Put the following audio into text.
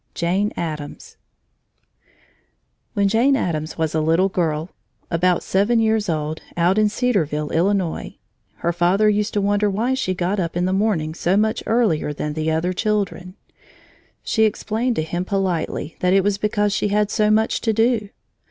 JANE ADDAMS When Jane Addams was a little girl about seven years old, out in Cedarville, Illinois, her father used to wonder why she got up in the morning so much earlier than the other children. She explained to him politely that it was because she had so much to do.